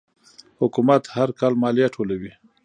حکومت هر کال مالیه ټولوي.